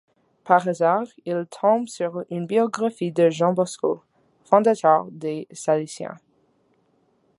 Par hasard, il tombe sur une biographie de Jean Bosco, fondateur des Salésiens.